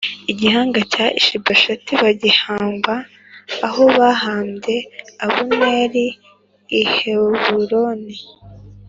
igihanga cya Ishibosheti bagihamba aho bahambye Abuneri i Heburoni